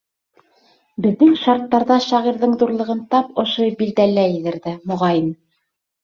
Беҙҙең шарттарҙа шағирҙың ҙурлығын тап ошо билдәләйҙер ҙә, моғайын.